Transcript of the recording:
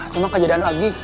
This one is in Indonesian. cuma kejadian lagi